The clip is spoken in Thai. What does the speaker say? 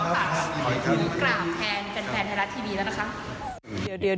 เป็นแทนธรรมภักดิ์ทีวีแล้วนะคะ